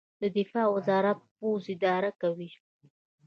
دفاع وزارت پوځ اداره کوي